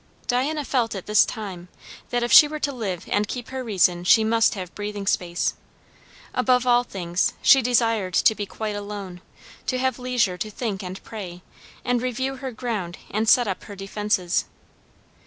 Diana felt at this time, that if she were to live and keep her reason she must have breathing space. Above all things, she desired to be quite alone; to have leisure to think and pray, and review her ground and set up her defences.